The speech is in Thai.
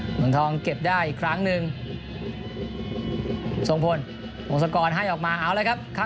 หนึ่งทองเก็บได้อีกครั้งนึงทรงพลวงศกรให้ออกมา